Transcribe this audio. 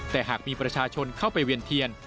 แต่หากมีประชาชนเข้าไปเวียนเทียน